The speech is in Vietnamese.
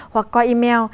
hoặc qua email